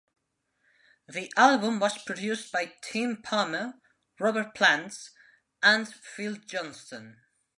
The album was produced by Tim Palmer, Robert Plant and Phil Johnstone.